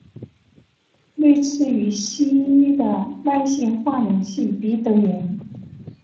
类似于西医的慢性化脓性鼻窦炎。